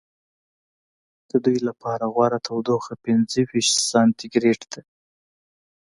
د دوی لپاره غوره تودوخه پنځه ویشت سانتي ګرېد ده.